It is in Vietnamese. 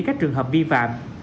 các trường hợp vi phạm